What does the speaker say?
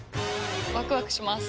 ワクワクします。